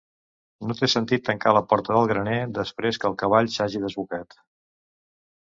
No té sentit tancar la porta del graner després que el cavall s'hagi desbocat.